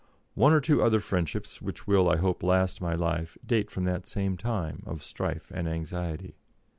One or two other friendships which will, I hope, last my life, date from that same time of strife and anxiety.